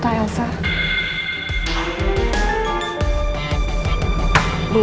tiga tahun kemudian